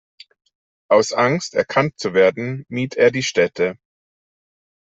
Aus Angst, erkannt zu werden, mied er die Städte.